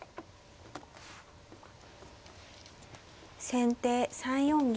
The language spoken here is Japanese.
先手３四銀。